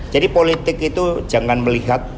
jadi politik itu jangan melihat